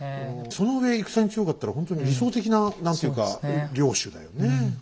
そのうえ戦に強かったらほんとに理想的な何ていうか領主だよね。